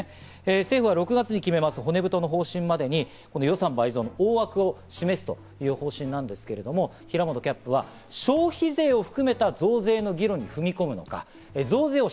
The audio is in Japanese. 政府は６月に決める骨太の方針までに大枠を示すという方針ですが、平本キャップは消費税を含めた増税の議論に踏み込むのか。